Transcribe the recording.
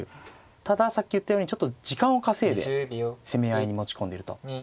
たださっき言ったようにちょっと時間を稼いで攻め合いに持ち込んでると。